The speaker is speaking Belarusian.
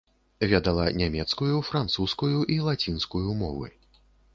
Ведала нямецкую, французскую і лацінскую мовы.